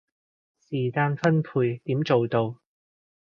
時間分配點做到